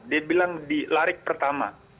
dia bilang di larik pertama